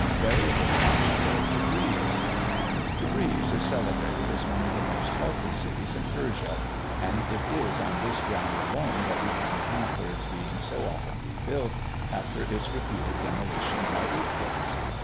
VARIABLE CLIMATE OF TEBREEZ. Tebreez is celebrated as one of the most healthy cities in Persia, and it is on this ground alone that we can account for its being so often rebuilt after its repeated demolition by earthquakes.